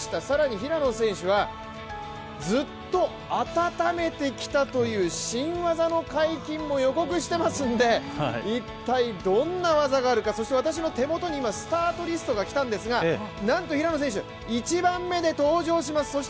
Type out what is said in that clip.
更に平野選手はずっと温めてきたという新技の解禁も予告していますので、一体どんな技があるか、そして私の手元に今、スタートリストがきたんですが、なんと平野選手、１番目で登場します。